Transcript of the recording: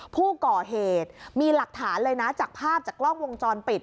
ผู้ก่อเหตุมีหลักฐานเลยนะจากภาพจากกล้องวงจรปิด